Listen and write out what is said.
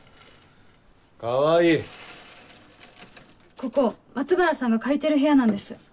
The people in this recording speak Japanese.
ここ松原さんが借りてる部屋なんです。